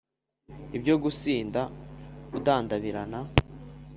Ibyo gusinda udandabirana